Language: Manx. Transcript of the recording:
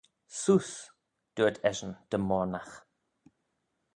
Seose. dooyrt eshyn dy moyrnagh.